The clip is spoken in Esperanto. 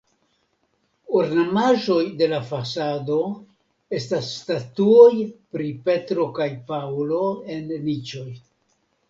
Ornamaĵoj de la fasado estas statuoj pri Petro kaj Paŭlo en niĉoj.